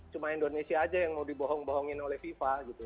cuma indonesia aja yang mau dibohong bohongin oleh fifa gitu